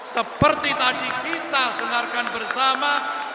seperti tadi kita dengarkan bersama